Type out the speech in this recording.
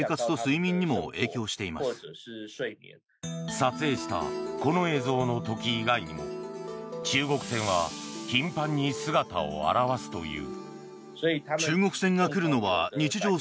撮影したこの映像の時以外にも中国船は頻繁に姿を現すという。